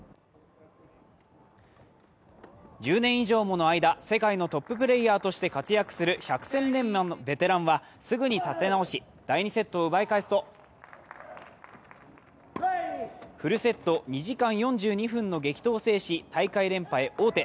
１０年以上もの間、世界のトッププレーヤーとして活躍する百戦錬磨のベテランはすぐに立て直し第２セットを奪い返すと、フルセット２時間４２分の激戦を制し大会連覇へ王手。